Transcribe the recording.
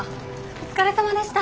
お疲れさまです。